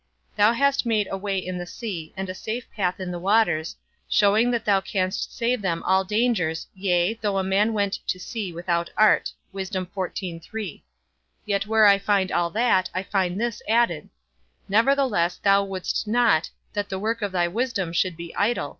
_Thou hast made a way in the sea, and a safe path in the waters, showing that thou canst save from all dangers, yea, though a man went to sea without art_: yet, where I find all that, I find this added; nevertheless thou wouldst not, that the work of thy wisdom should be idle.